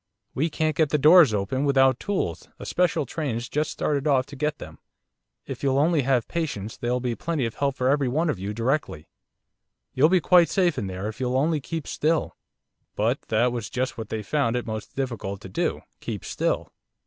We can't get the doors open without tools, a special train's just started off to get them. If you'll only have patience there'll be plenty of help for everyone of you directly. You'll be quite safe in there, if you'll only keep still.' But that was just what they found it most difficult to do keep still!